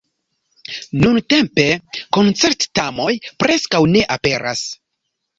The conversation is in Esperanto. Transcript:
Nuntempe koncert-tamoj preskaŭ ne aperas.